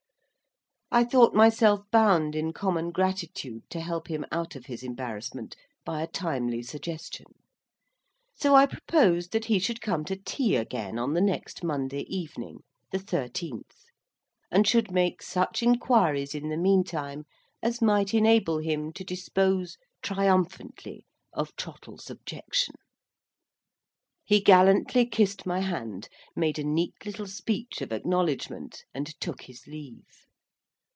I thought myself bound, in common gratitude, to help him out of his embarrassment by a timely suggestion. So I proposed that he should come to tea again, on the next Monday evening, the thirteenth, and should make such inquiries in the meantime, as might enable him to dispose triumphantly of Trottle's objection. He gallantly kissed my hand, made a neat little speech of acknowledgment, and took his leave.